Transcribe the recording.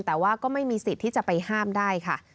แต่ว่าก็ไม่มีสิทธิ์ที่จะไปห้ามได้ค่ะ